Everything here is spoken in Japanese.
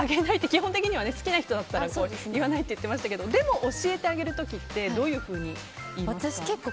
基本的には、好きな人だったら教えないでしたがでも、教え上げる時ってどういうふうに言いますか？